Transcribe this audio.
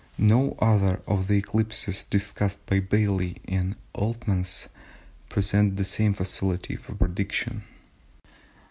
No other of the eclipses discussed by Baily and Oltmanns present the same facility for prediction."